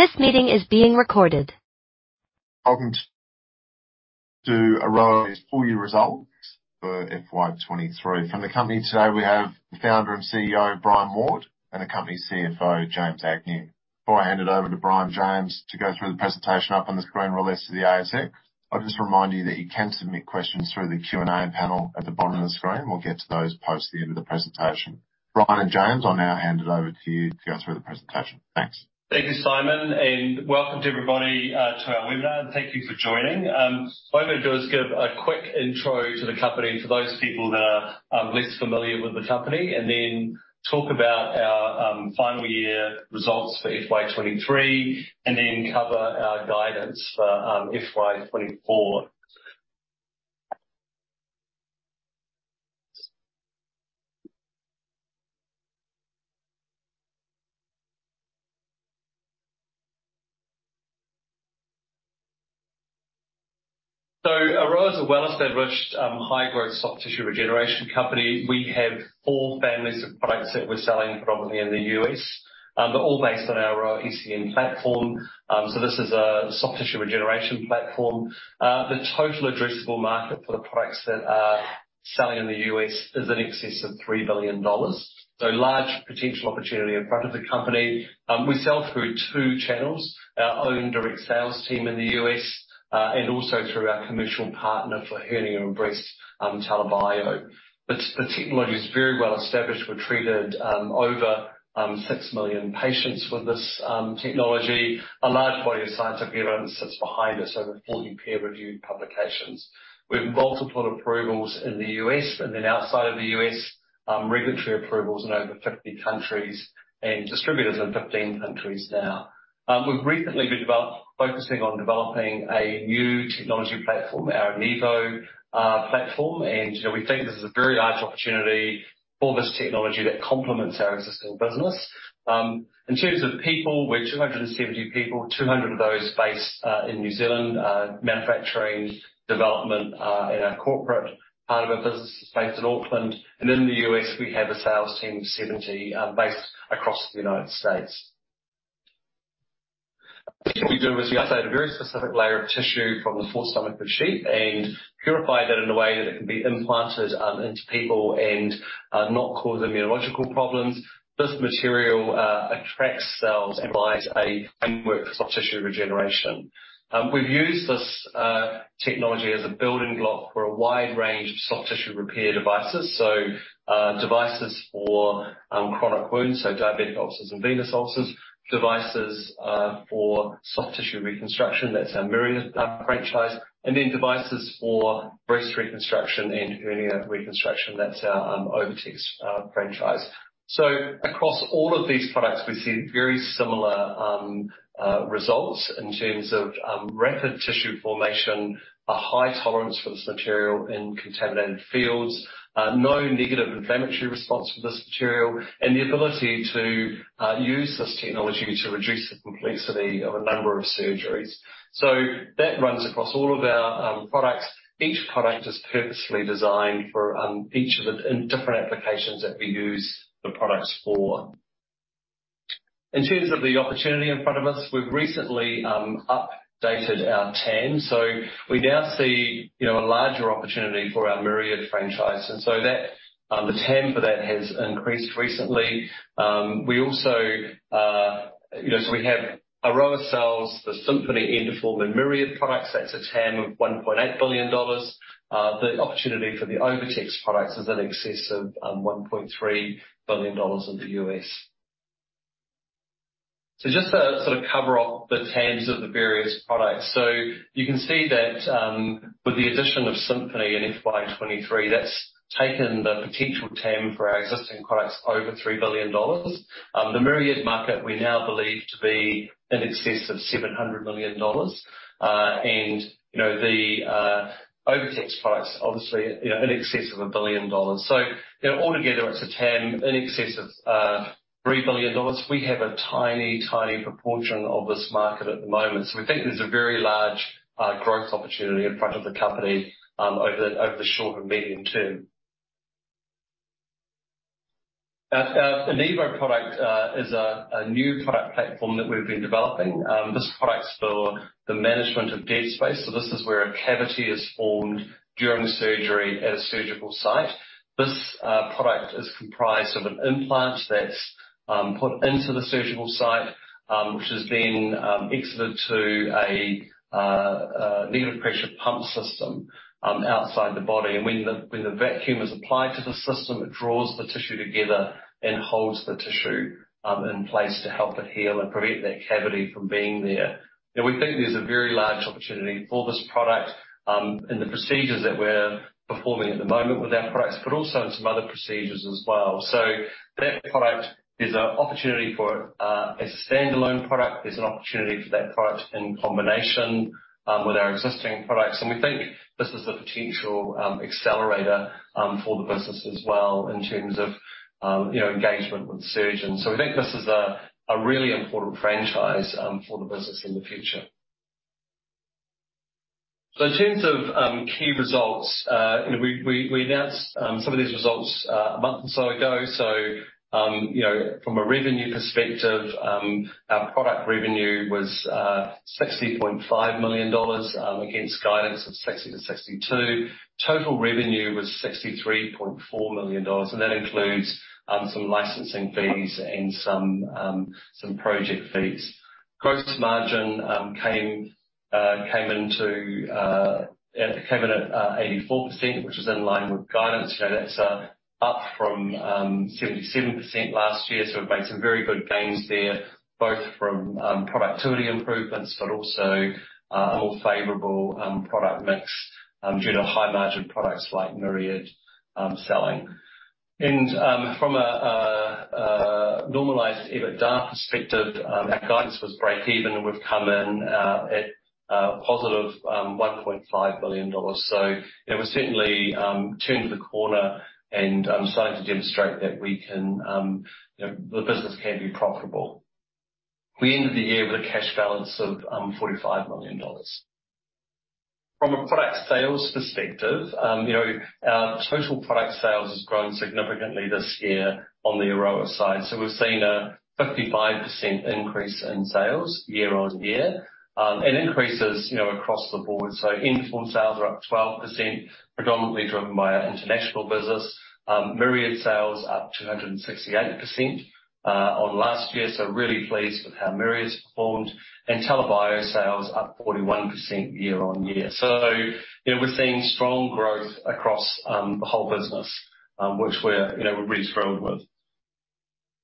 This meeting is being recorded. Welcome to Aroa's full year results for FY 2023. From the company today, we have the founder and CEO, Brian Ward, and the company's CFO, James Agnew. Before I hand it over to Brian and James to go through the presentation up on the screen, released to the ASX, I'll just remind you that you can submit questions through the Q&A panel at the bottom of the screen. We'll get to those post the end of the presentation. Brian and James, I'll now hand it over to you to go through the presentation. Thanks. Thank you, Simon, and welcome to everybody, to our webinar, and thank you for joining. What I'm going to do is give a quick intro to the company for those people that are less familiar with the company, and then talk about our final year results for FY 2023, and then cover our guidance for FY 2024. Aroa is a well-established, high-growth soft tissue regeneration company. We have four families of products that we're selling predominantly in the U.S., but all based on our AROA ECM platform. This is a soft tissue regeneration platform. The total addressable market for the products that are selling in the U.S. is in excess of $3 billion. Large potential opportunity in front of the company. We sell through two channels, our own direct sales team in the U.S., and also through our commercial partner for hernia and breast, TELA Bio. The technology is very well established. We've treated over 6 million patients with this technology. A large body of scientific evidence sits behind us, over 40 peer-reviewed publications. We have multiple approvals in the U.S., and then outside of the U.S., regulatory approvals in over 50 countries and distributors in 15 countries now. We've recently been focusing on developing a new technology platform, our Enivo platform, and, you know, we think this is a very large opportunity for this technology that complements our existing business. In terms of people, we're 270 people, 200 of those based in New Zealand. Manufacturing, development, our corporate part of our business is based in Auckland. In the U.S., we have a sales team of 70 based across the United States. What we do is we isolate a very specific layer of tissue from the fourth stomach of sheep and purify that in a way that it can be implanted into people and not cause immunological problems. This material attracts cells and provides a framework for soft tissue regeneration. We've used this technology as a building block for a wide range of soft tissue repair devices, so devices for chronic wounds, so diabetic ulcers and venous ulcers, devices for soft tissue reconstruction, that's our Myriad franchise, and then devices for breast reconstruction and hernia reconstruction, that's our OviTex franchise. Across all of these products, we've seen very similar results in terms of rapid tissue formation, a high tolerance for this material in contaminated fields, no negative inflammatory response to this material, and the ability to use this technology to reduce the complexity of a number of surgeries. That runs across all of our products. Each product is purposely designed for each of the different applications that we use the products for. In terms of the opportunity in front of us, we've recently updated our TAM, we now see, you know, a larger opportunity for our Myriad franchise, the TAM for that has increased recently. We also, you know, we have AroaCells, the Symphony, Endoform, and Myriad products. That's a TAM of $1.8 billion. The opportunity for the OviTex products is in excess of $1.3 billion in the U.S. Just to sort of cover off the TAMs of the various products. You can see that, with the addition of Symphony in FY 2023, that's taken the potential TAM for our existing products over $3 billion. The Myriad market, we now believe to be in excess of $700 million. And, you know, the OviTex products, obviously, you know, in excess of $1 billion. You know, altogether, it's a TAM in excess of $3 billion. We have a tiny proportion of this market at the moment, so we think there's a very large growth opportunity in front of the company, over the short and medium term. Our Enivo product is a new product platform that we've been developing. This product's for the management of dead space. This is where a cavity is formed during surgery at a surgical site. This product is comprised of an implant that's put into the surgical site, which is then exited to a negative pressure pump system outside the body. When the vacuum is applied to the system, it draws the tissue together and holds the tissue in place to help it heal and prevent that cavity from being there. We think there's a very large opportunity for this product in the procedures that we're performing at the moment with our products, but also in some other procedures as well. That product, there's an opportunity for it as a standalone product, there's an opportunity for that product in combination with our existing products, and we think this is a potential accelerator for the business as well, in terms of engagement with surgeons. We think this is a really important franchise for the business in the future. In terms of key results, we announced some of these results a month or so ago. From a revenue perspective, our product revenue was $60.5 million against guidance of 60-62. Total revenue was $63.4 million, and that includes some licensing fees and some project fees. Gross margin came in at 84%, which is in line with guidance. You know, that's up from 77% last year, so we've made some very good gains there, both from productivity improvements, but also a more favorable product mix due to high margin products like Myriad selling. From a normalized EBITDA perspective, our guidance was break even, and we've come in at positive $1.5 billion. You know, we're certainly turning the corner and starting to demonstrate that we can, you know, the business can be profitable. We ended the year with a cash balance of $45 million. From a product sales perspective, you know, our special product sales has grown significantly this year on the Aroa side. We've seen a 55% increase in sales year on year, and increases, you know, across the board. Endoform sales are up 12%, predominantly driven by our international business. Myriad sales are up 268% on last year, so really pleased with how Myriad's performed. TELA Bio sales up 41% year on year. You know, we're seeing strong growth across the whole business, which we're, you know, we're really thrilled with.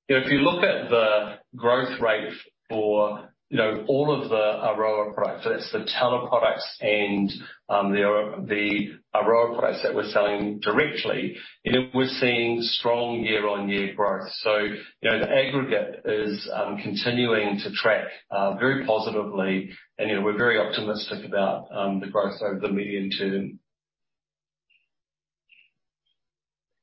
You know, if you look at the growth rate for, you know, all of the Aroa products, that's the TELA products and the Aroa products that we're selling directly, you know, we're seeing strong year-on-year growth. You know, the aggregate is continuing to track very positively, and, you know, we're very optimistic about the growth over the medium term.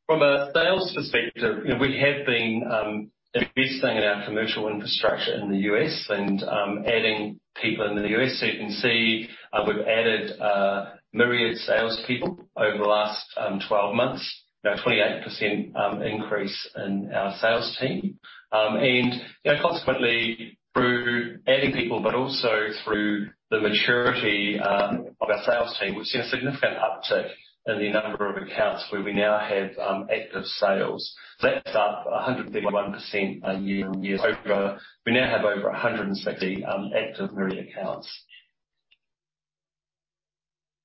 From a sales perspective, you know, we have been investing in our commercial infrastructure in the U.S. and adding people in the U.S. You can see we've added Myriad salespeople over the last 12 months. About 28% increase in our sales team. You know, consequently, through adding people, but also through the maturity of our sales team, we've seen a significant uptick in the number of accounts where we now have active sales. That's up 131% year-on-year. We now have over 160 active Myriad accounts.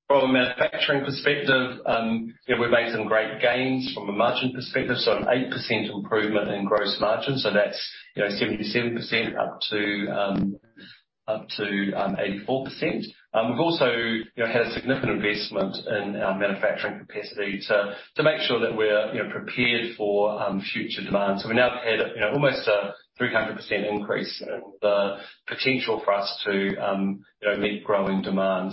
From a manufacturing perspective, you know, we've made some great gains from a margin perspective, so an 8% improvement in gross margin, so that's, you know, 77% up to 84%. We've also, you know, had a significant investment in our manufacturing capacity to make sure that we're, you know, prepared for future demand. We've now had, you know, almost a 300% increase in the potential for us to, you know, meet growing demand.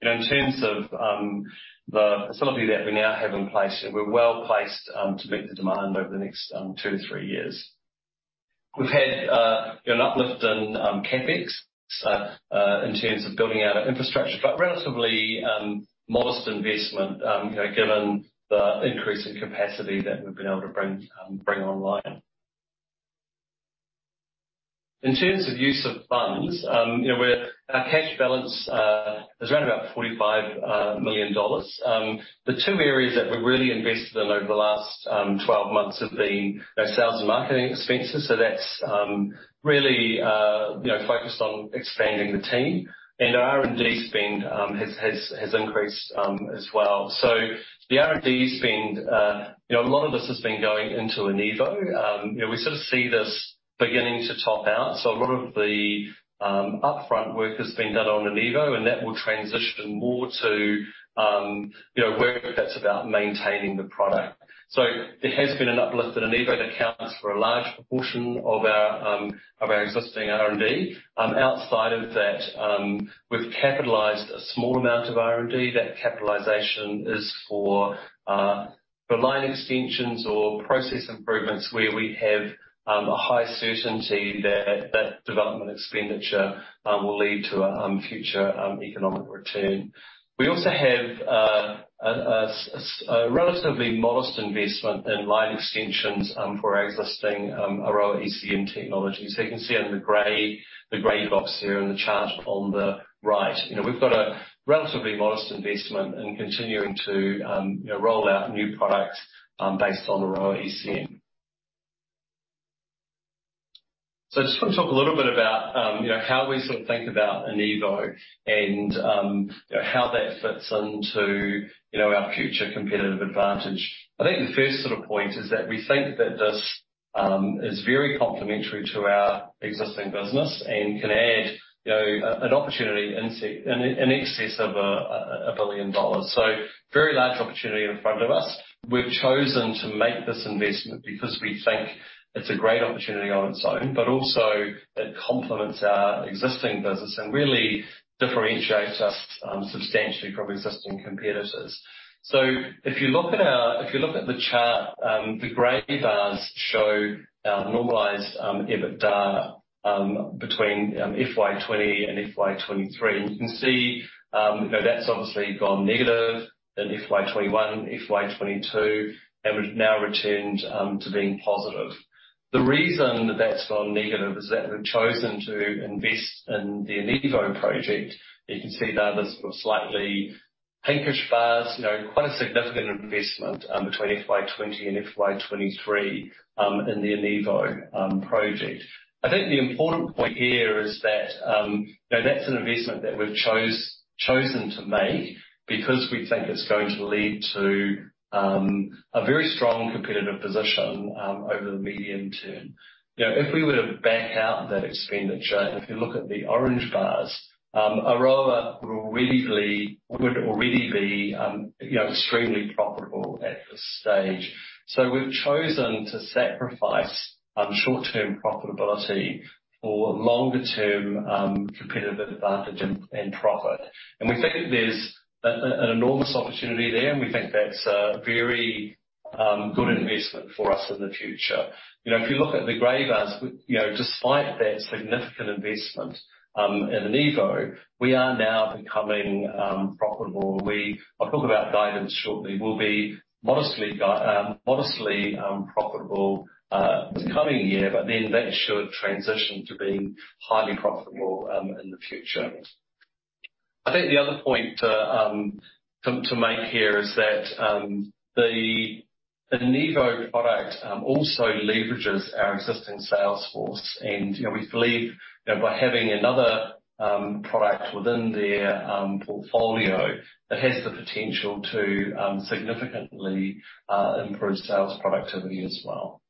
In terms of, you know, the facility that we now have in place, we're well placed to meet the demand over the next 2-3 years. We've had an uplift in CapEx in terms of building out our infrastructure, but relatively modest investment, you know, given the increase in capacity that we've been able to bring online. In terms of use of funds, you know, we're, our cash balance is around about $45 million. The two areas that we've really invested in over the last 12 months have been our sales and marketing expenses, so that's really, you know, focused on expanding the team. Our R&D spend has increased as well. The R&D spend, you know, a lot of this has been going into Enivo. You know, we sort of see this beginning to top out. A lot of the upfront work has been done on Enivo, and that will transition more to, you know, work that's about maintaining the product. There has been an uplift in Enivo that accounts for a large proportion of our of our existing R&D. Outside of that, we've capitalized a small amount of R&D. That capitalization is for the line extensions or process improvements, where we have a high certainty that development expenditure will lead to future economic return. We also have a relatively modest investment in line extensions for our existing AROA ECM technology. You can see on the gray box here in the chart on the right. You know, we've got a relatively modest investment in continuing to, you know, roll out new products based on AROA ECM. I just want to talk a little bit about, you know, how we sort of think about Enivo and, you know, how that fits into, you know, our future competitive advantage. I think the first sort of point is that we think that this is very complementary to our existing business and can add, you know, an opportunity in excess of a $1 billion. Very large opportunity in front of us. We've chosen to make this investment because we think it's a great opportunity on its own, but also it complements our existing business and really differentiates us substantially from existing competitors. If you look at the chart, the gray bars show our normalized EBITDA between FY 2020 and FY 2023. You can see, you know, that's obviously gone negative in FY 2021, FY 2022, and we've now returned to being positive. The reason that that's gone negative is that we've chosen to invest in the Enivo project. You can see that as slightly pinkish bars, you know, quite a significant investment between FY 2020 and FY 2023 in the Enivo project. I think the important point here is that, you know, that's an investment that we've chosen to make because we think it's going to lead to a very strong competitive position over the medium term. You know, if we were to back out that expenditure, if you look at the orange bars, Aroa would already be, you know, extremely profitable at this stage. We've chosen to sacrifice short-term profitability for longer-term competitive advantage and profit. We think there's an enormous opportunity there, and we think that's a very good investment for us in the future. You know, if you look at the gray bars, you know, despite that significant investment in Enivo, we are now becoming profitable. I'll talk about guidance shortly. We'll be modestly profitable this coming year, that should transition to being highly profitable in the future. I think the other point to make here is that the Enivo product also leverages our existing sales force. You know, we believe that by having another product within their portfolio, it has the potential to significantly improve sales productivity as well.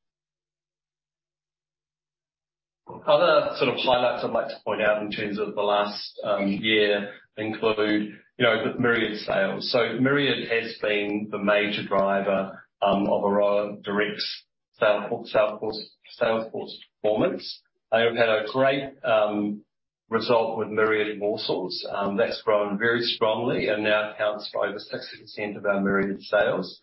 Other sort of highlights I'd like to point out in terms of the last year include, you know, the Myriad sales. Myriad has been the major driver of Aroa Direct's sales force performance. They have had a great result with Myriad Morcells. That's grown very strongly and now accounts for over 60% of our Myriad sales.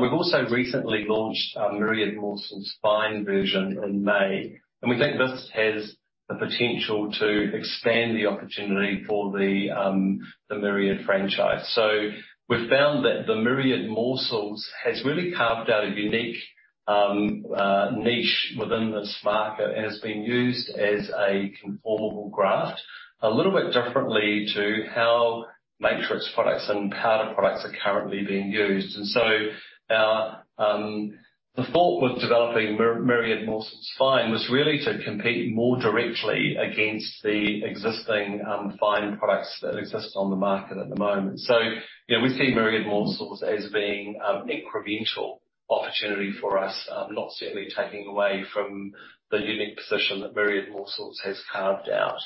We've also recently launched our Myriad Morcells Fine version in May, and we think this has the potential to expand the opportunity for the Myriad franchise. We've found that the Myriad Morcells has really carved out a unique niche within this market and has been used as a conformable graft, a little bit differently to how matrix products and powder products are currently being used. So the thought with developing Myriad Morcells Fine was really to compete more directly against the existing fine products that exist on the market at the moment. You know, we see Myriad Morcells as being an incremental opportunity for us, not certainly taking away from the unique position that Myriad Morcells has carved out.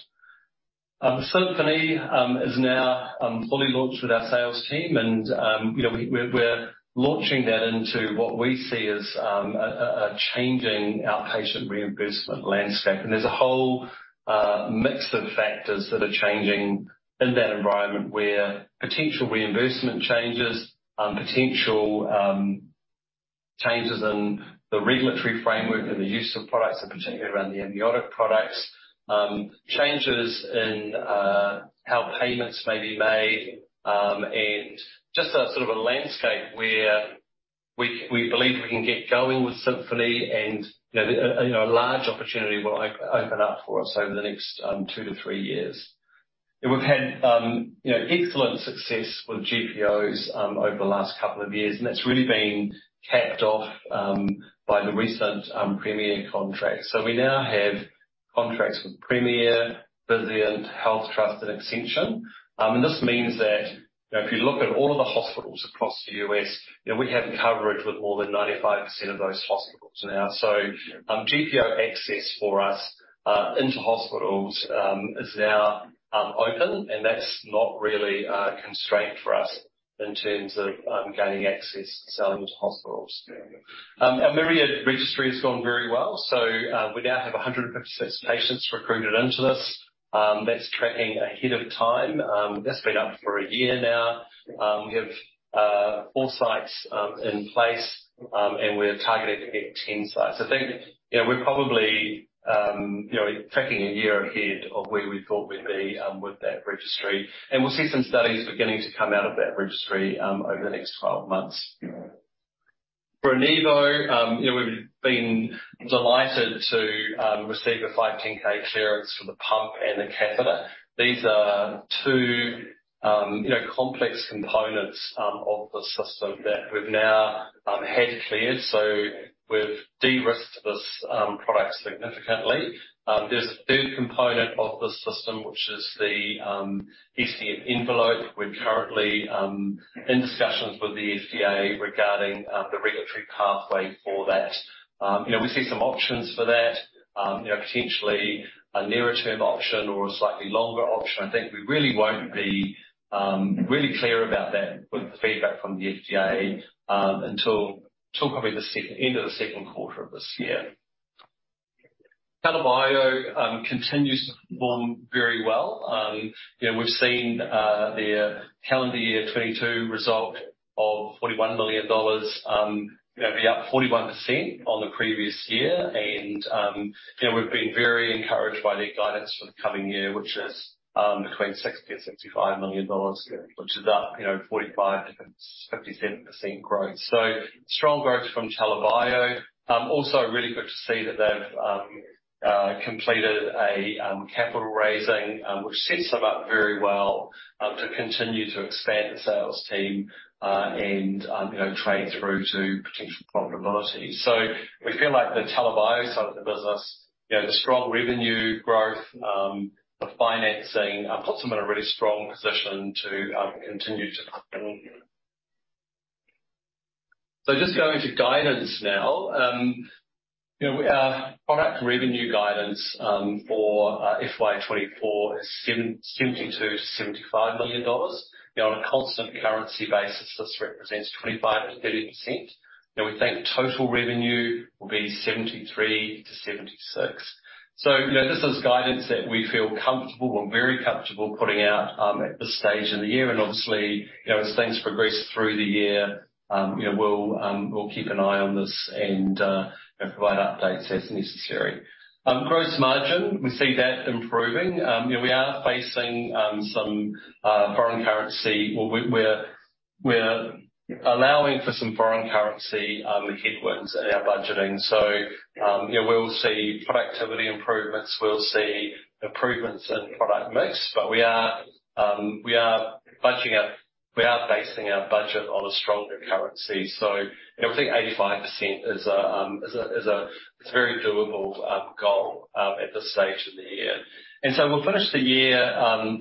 Symphony is now fully launched with our sales team, and you know, we're launching that into what we see as a changing outpatient reimbursement landscape. There's a whole mix of factors that are changing in that environment, where potential reimbursement changes, potential changes in the regulatory framework and the use of products, and particularly around the amniotic products, changes in how payments may be made, and just a sort of a landscape where we believe we can get going with Symphony and, you know, a, you know, a large opportunity will open up for us over the next two to three years. We've had, you know, excellent success with GPOs over the last couple of years, and that's really been capped off by the recent Premier contract. We now have contracts with Premier, Vizient, HealthTrust, and Ascension. This means that, you know, if you look at all of the hospitals across the U.S., you know, we have coverage with more than 95% of those hospitals now. GPO access for us into hospitals is now open, and that's not really a constraint for us in terms of gaining access to selling to hospitals. Our Myriad registry has gone very well, we now have 100% of patients recruited into this. That's tracking ahead of time. That's been up for a year now. We have four sites in place, and we're targeting to get 10 sites. I think, you know, we're probably, you know, taking a year ahead of where we thought we'd be with that registry, and we'll see some studies beginning to come out of that registry over the next 12 months. For Enivo, you know, we've been delighted to receive a 510(k) clearance for the pump and the catheter. These are two, you know, complex components of the system that we've now had cleared, so we've de-risked this product significantly. There's a third component of the system, which is the EC Involight. We're currently in discussions with the FDA regarding the regulatory pathway for that. You know, we see some options for that, you know, potentially a nearer-term option or a slightly longer option. I think we really won't be really clear about that with the feedback from the FDA, until probably the end of the second quarter of this year. TELA Bio continues to perform very well. You know, we've seen their calendar year 2022 result of $41 million, you know, be up 41% on the previous year. We've been very encouraged by their guidance for the coming year, which is between $60 million-$65 million, which is up, you know, 45%-57% growth. Strong growth from TELA Bio. Also really good to see that they've completed a capital raising, which sets them up very well to continue to expand the sales team and, you know, trade through to potential profitability. We feel like the TELA Bio side of the business, you know, the strong revenue growth, the financing puts them in a really strong position to continue to grow. Just going to guidance now. You know, we, our product revenue guidance for FY 2024 is $72 million-$75 million. You know, on a constant currency basis, this represents 25%-30%. You know, we think total revenue will be $73 million-$76 million. This is guidance that we feel comfortable, we're very comfortable putting out at this stage in the year. Obviously, you know, as things progress through the year, you know, we'll keep an eye on this and provide updates as necessary. Gross margin, we see that improving. You know, we are facing some foreign currency. Well, we're, we're allowing for some foreign currency headwinds in our budgeting. Yeah, we'll see productivity improvements. We'll see improvements in product mix, but we are basing our budget on a stronger currency. You know, we think 85% is a very doable goal at this stage of the year. We'll finish the year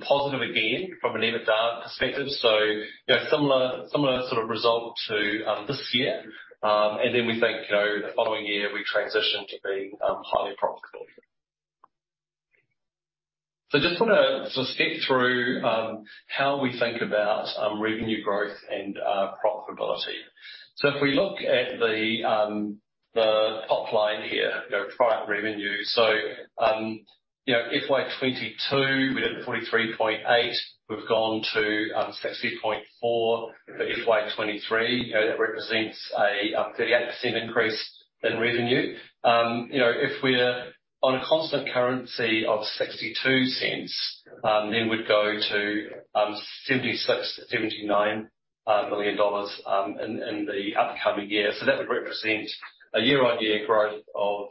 positive again from an EBITDA perspective. You know, similar sort of result to this year. We think, you know, the following year, we transition to being highly profitable. I just wanna sort of step through how we think about revenue growth and profitability. If we look at the top line here, you know, product revenue. FY 2022, we had 43.8. We've gone to 60.4 for FY 2023. That represents a 38% increase in revenue. If we're on a constant currency of 0.62, then we'd go to 76 million-79 million dollars in the upcoming year. That would represent a year-on-year growth of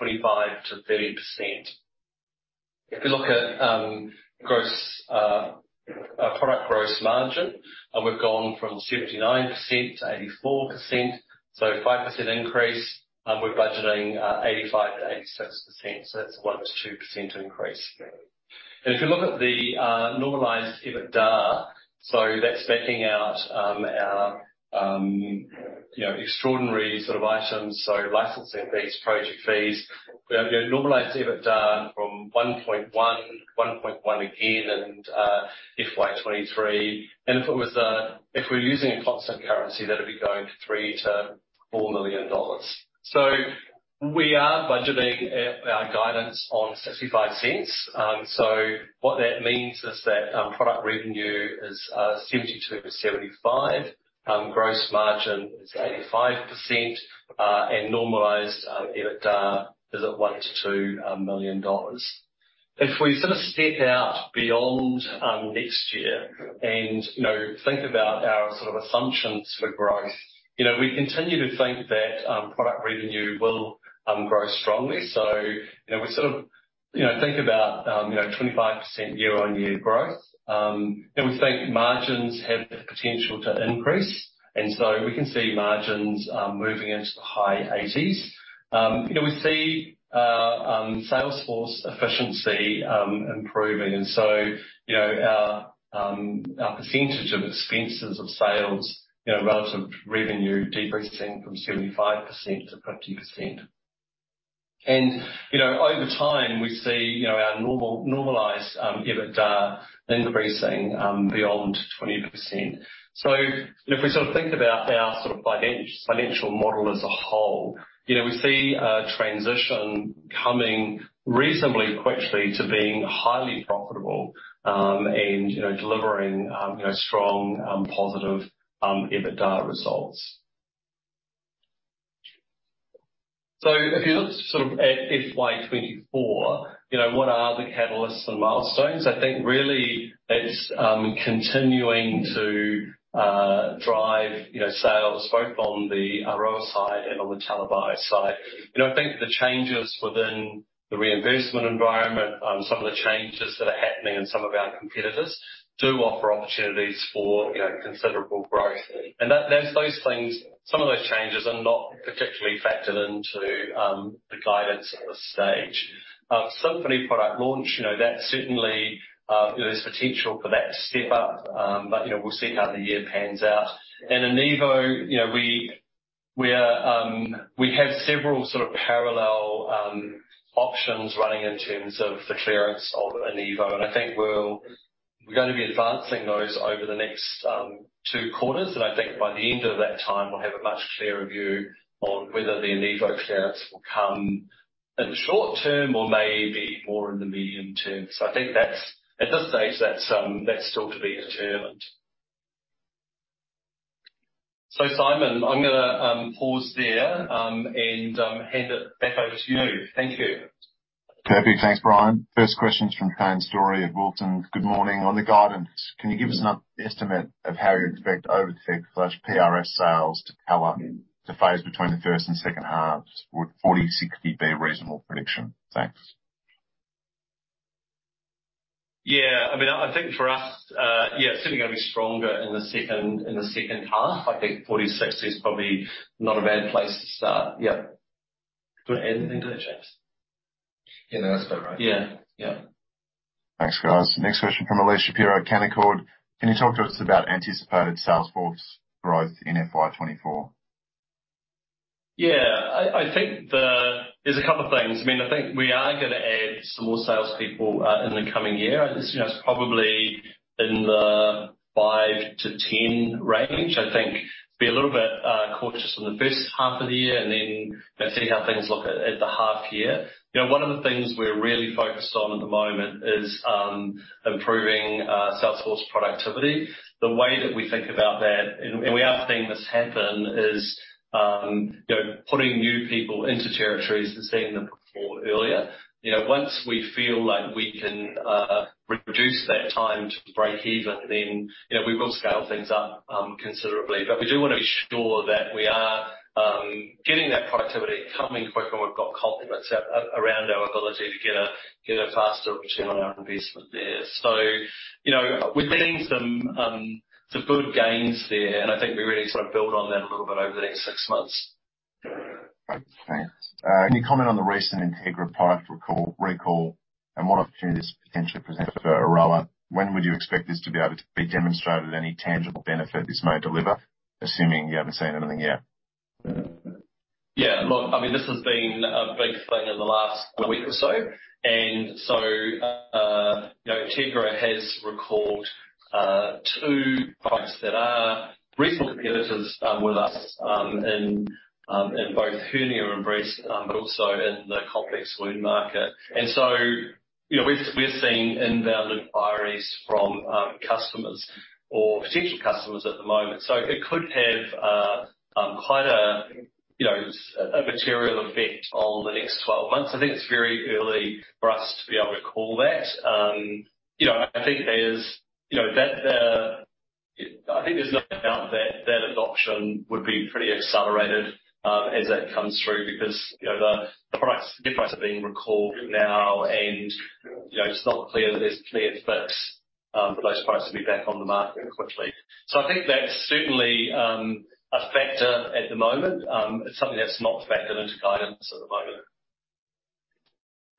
25%-30%. If you look at product gross margin, we've gone from 79% to 84%, a 5% increase. We're budgeting 85%-86%, that's a 1%-2% increase. If you look at the normalized EBITDA, that's backing out our extraordinary sort of items, licensing fees, project fees. We have a normalized EBITDA from 1.1, 1.1 again, in FY 2023. If it was, if we're using a constant currency, that'll be going to 3 million-4 million dollars. We are budgeting our guidance on 0.65. What that means is that product revenue is 72 million-75 million. Gross margin is 85%, and normalized EBITDA is at 1 million-2 million dollars. If we sort of step out beyond next year and, you know, think about our sort of assumptions for growth, you know, we continue to think that product revenue will grow strongly. You know, we sort of, you know, think about, you know, 25% year-on-year growth. We think margins have the potential to increase, and so we can see margins moving into the high 80s. You know, we see sales force efficiency improving, and so, you know, our percentage of expenses of sales, you know, relative revenue decreasing from 75% to 50%. You know, over time, we see, you know, our normalized EBITDA increasing beyond 20%. If we sort of think about our sort of financial model as a whole, you know, we see a transition coming reasonably quickly to being highly profitable, and, you know, delivering, you know, strong, positive EBITDA results. If you look sort of at FY 2024, you know, what are the catalysts and milestones? I think really it's, continuing to drive, you know, sales both on the Aroa side and on the TELA Bio side. You know, I think the changes within the reimbursement environment, some of the changes that are happening in some of our competitors, do offer opportunities for, you know, considerable growth. Some of those changes are not particularly factored into the guidance at this stage. Symphony product launch, you know, that certainly, there's potential for that to step up, but, you know, we'll see how the year pans out. Enivo, you know, we are, we have several sort of parallel, options running in terms of the clearance of Enivo, and I think we'll. We're going to be advancing those over the next, two quarters. I think by the end of that time, we'll have a much clearer view on whether the Enivo clearance will come in the short term or maybe more in the medium term. I think that's, at this stage, that's still to be determined. Simon, I'm gonna pause there and hand it back over to you. Thank you. Perfect. Thanks, Brian. First question is from Shane Storey at Wilsons. Good morning. On the guidance, can you give us an estimate of how you expect over the PRF sales to come up to phase between the first and second halves? Would 40/60 be a reasonable prediction? Thanks. Yeah, I mean, I think for us, yeah, it's certainly going to be stronger in the second half. I think 40/60 is probably not a bad place to start. Yeah. Do you want to add anything to that, James? Yeah, that's about right. Yeah. Yeah. Thanks, guys. Next question from Elyse Shapiro, Canaccord. Can you talk to us about anticipated sales force growth in FY 2024? Yeah. I think there's a couple of things. I mean, I think we are going to add some more salespeople in the coming year. This, you know, is probably in the five to 10 range. I think be a little bit cautious in the first half of the year and then, you know, see how things look at the half year. You know, one of the things we're really focused on at the moment is improving sales force productivity. The way that we think about that, and we are seeing this happen, is, you know, putting new people into territories and seeing them perform earlier. You know, once we feel like we can reduce that time to break even, then, you know, we will scale things up considerably. We do want to be sure that we are getting that productivity coming quicker. We've got confidence around our ability to get a faster return on our investment there. You know, we're seeing some good gains there, and I think we really sort of build on that a little bit over the next six months. Great. Thanks. Any comment on the recent Integra product recall, and what opportunities potentially present for Aroa? When would you expect this to be able to be demonstrated, any tangible benefit this may deliver, assuming you haven't seen anything yet? Yeah, look, I mean, this has been a big thing in the last week or so. You know, Integra has recalled two products that are recent competitors with us in both hernia and breast, but also in the complex wound market. You know, we're seeing inbound inquiries from customers or potential customers at the moment. It could have quite a, you know, a material effect on the next 12 months. I think it's very early for us to be able to call that. You know, I think there's, you know, that, I think there's no doubt that that adoption would be pretty accelerated, as that comes through, because, you know, the products, different products are being recalled now, and, you know, it's not clear that there's a clear fix for those products to be back on the market quickly. I think that's certainly a factor at the moment. It's something that's not factored into guidance at the moment.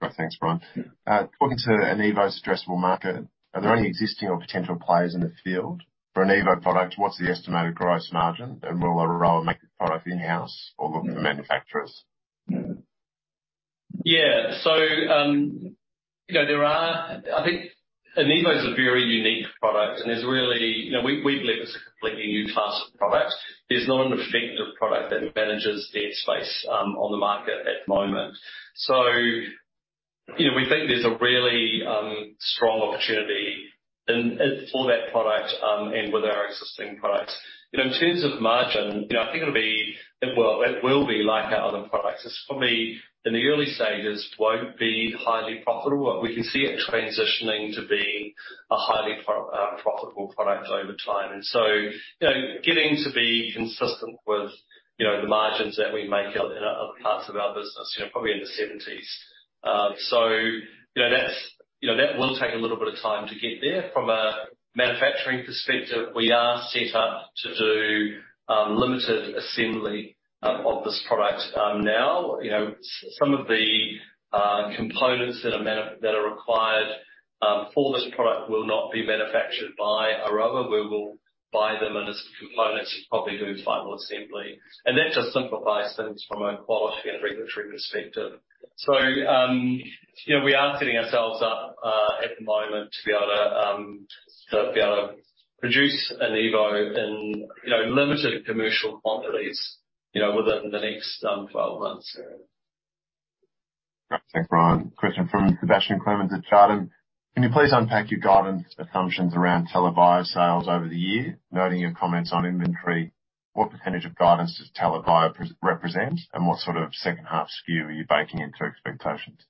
Right. Thanks, Brian. Talking to an Enivo addressable market, are there any existing or potential players in the field? For Enivo product, what's the estimated gross margin, and will Aroa make the product in-house or look for manufacturers? Yeah. You know, I think Enivo is a very unique product, and there's really. You know, we've looked at a completely new class of products. There's not an effective product that manages that space on the market at the moment. You know, we think there's a really strong opportunity in for that product and with our existing products. You know, in terms of margin, you know, I think it will be like our other products. It's probably in the early stages, won't be highly profitable. We can see it transitioning to being a highly profitable product over time. You know, getting to be consistent with, you know, the margins that we make out in other parts of our business, you know, probably in the 70s%. You know that will take a little bit of time to get there. From a manufacturing perspective, we are set up to do limited assembly of this product. Now, you know, some of the components that are required for this product will not be manufactured by Aroa. We will buy them in as components and probably do final assembly. That just simplifies things from a quality and regulatory perspective. You know, we are setting ourselves up at the moment to be able to produce Enivo in, you know, limited commercial quantities, you know, within the next 12 months. Great. Thanks, Brian. Question from Sebastian Clemens at Jarden. Can you please unpack your guidance assumptions around TELA Bio sales over the year? Noting your comments on inventory, what percent of guidance does TELA Bio represent, and what sort of second-half skew are you baking into expectations?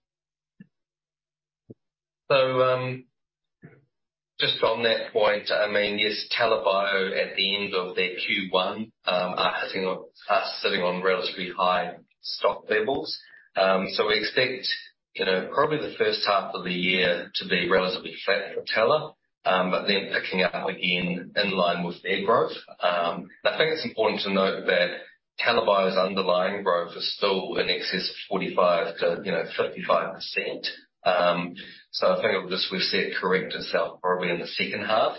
Just on that point, yes, TELA Bio, at the end of their Q1, are sitting on relatively high stock levels. We expect, you know, probably the first half of the year to be relatively flat for TELA, but then picking up again in line with their growth. I think it's important to note that TELA Bio's underlying growth is still in excess of 45% to, you know, 55%. I think it'll just, we've see it correct itself probably in the second half.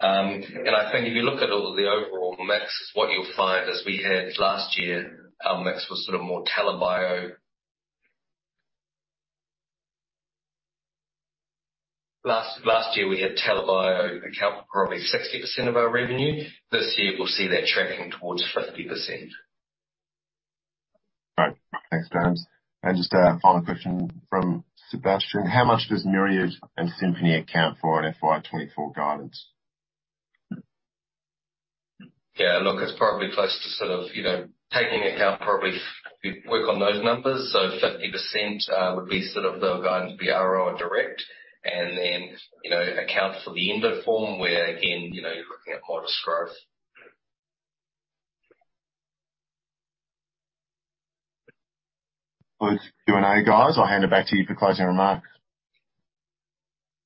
I think if you look at all the overall mix, what you'll find is we had last year, our mix was sort of more TELA Bio. Last year, we had TELA Bio account for probably 60% of our revenue. This year, we'll see that trending towards 50%. Right. Thanks, James. Just a final question from Sebastian: How much does Myriad and Symphony account for in FY 2024 guidance? Yeah, look, it's probably close to sort of, you know, taking account, probably we work on those numbers. 50% would be sort of the guidance, the Aroa Direct, and then, you know, accounts for the Endoform, where, again, you know, you're looking at modest growth. Q&A, guys. I'll hand it back to you for closing remarks.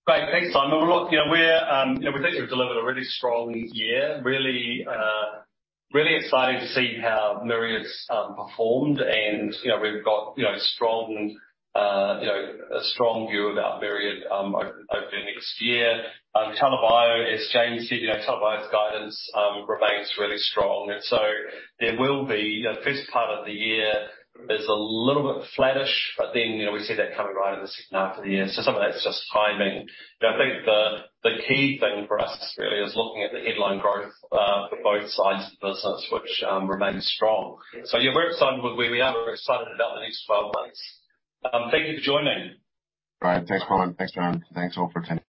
Great. Thanks, Simon. We think we've delivered a really strong year. Really, really exciting to see how Myriad's performed, a strong view about Myriad over the next year. TELA Bio, as James said, you know, TELA Bio's guidance remains really strong. There will be, the first part of the year is a little bit flattish, you know, we see that coming right in the second half of the year. Some of that's just timing. You know, I think the key thing for us really is looking at the headline growth for both sides of the business, which remains strong. Yeah, we're excited with where we are. We're excited about the next 12 months. Thank you for joining. All right. Thanks, Brian. Thanks, James. Thanks, all, for attending.